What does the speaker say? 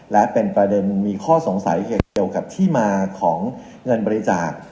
และเป็นประเด็นมีข้อสงสัยเหตุเกี่ยวกับที่มาของเงินบริจาค